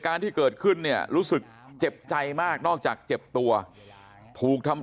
การที่เกิดขึ้นเนี่ยรู้สึกเจ็บใจมากนอกจากเจ็บตัวถูกทำ